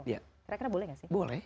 boleh gak sih